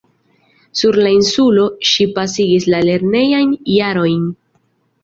Sur la insulo ŝi pasigis la lernejajn jarojn.